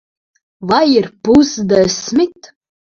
Vai ir pusdesmit?